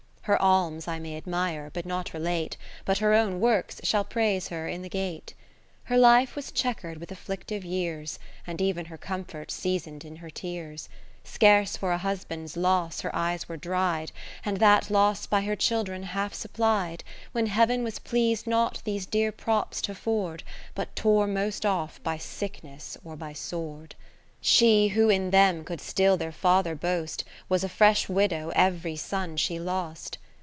Her alms I may admire, but not relate, 5 i But her own works shall praise her in the gate. Her life was chequer'd with afflictive years, And even her comfort season'd in her tears. Scarce for a husband's loss her eyes were dried ', And that loss by her children half supplied, When Heav'n was pleas'd not these dear props t' afford. But tore most off by sickness or by sword. She, who in them could still their father boast, Was a fresh widow every son she lost.